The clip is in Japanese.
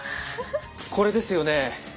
これですよね。